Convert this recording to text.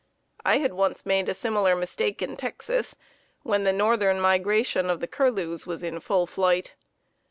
I had once made a similar mistake in Texas when the northern migration of the curlews was in full flight.